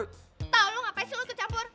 tau lo ngapain sih lo dikecampur